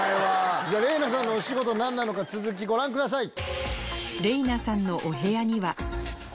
れいなさんのお仕事何なのか続きご覧ください。